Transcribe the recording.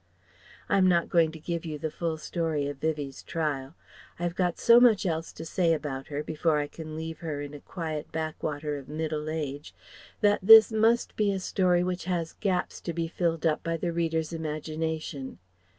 I am not going to give you the full story of Vivie's trial. I have got so much else to say about her, before I can leave her in a quiet backwater of middle age, that this must be a story which has gaps to be filled up by the reader's imagination.